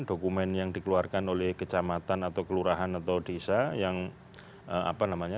dokumen yang dikeluarkan oleh kecamatan atau kelurahan atau desa yang apa namanya